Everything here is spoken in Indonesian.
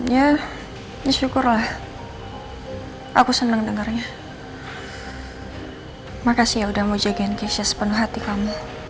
ya bersyukurlah aku senang dengarnya makasih ya udah mau jagain kesha sepenuh hati kamu